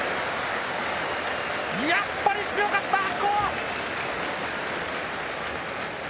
やっぱり強かった白鵬！